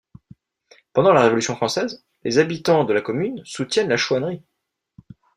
Pendant la Révolution française, les habitants de la commune soutiennent la chouannerie.